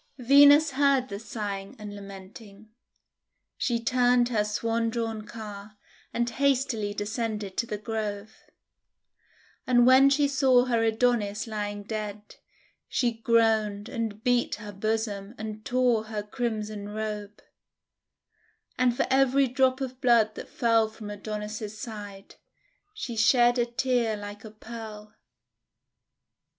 Venus heard the sighing and lamenting. She turned her swan drawn car, and hastily descended to the Grove. And when she saw her Adonis lying dead, she groaned, and beat her bosom, and tore her crimson robe. 66 THE WONDER GARDEN And for every drop of blood that fell from Adonis's side, she shed a tear like a pearl.